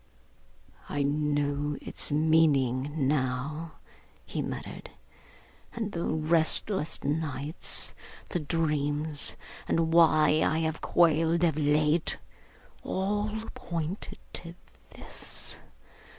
'I know its meaning now,' he muttered, 'and the restless nights, the dreams, and why I have quailed of late. All pointed to this.